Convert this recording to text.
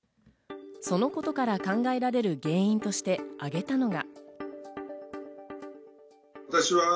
そのことから考えられる原因としてあげたのが。